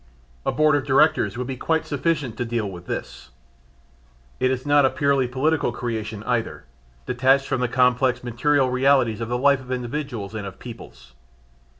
A board of directors would be quite sufficient to deal with this. It is not a purely political creation, either, detached from the complex material realities of the life of individuals and of peoples.